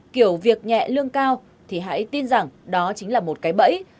kiểu việc nhẹ lương cao thì hãy tin rằng đó chính là một cái bẫy